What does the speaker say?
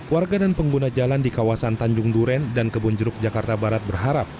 warga dan pengguna jalan di kawasan tanjung duren dan kebun jeruk jakarta barat berharap